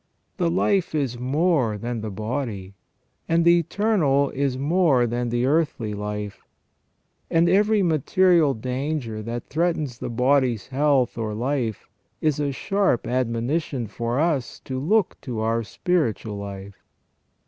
The life is more than the body, and the eternal is more than the earthly life ; and every material danger that threatens the body's health or life is a sharp admoni tion for us to look to our spiritual life.